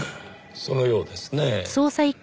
そのようですねぇ。